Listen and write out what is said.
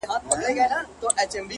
صدقه نه!! په څو ـ څو ځلې صدقان وځي!!